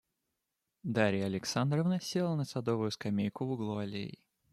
Дарья Александровна села на садовую скамейку в углу аллеи.